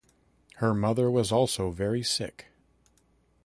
Her mother was also very sick.